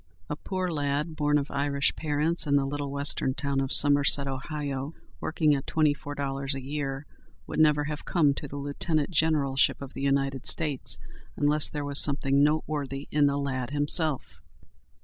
A poor lad, born of Irish parents in the little western town of Somerset, Ohio, working at twenty four dollars a year, would never have come to the lieutenant generalship of the United States, unless there was something noteworthy in the lad himself.